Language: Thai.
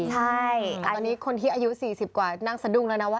ใช่แต่ตอนนี้คนที่อายุ๔๐กว่านั่งสะดุ้งแล้วนะว่า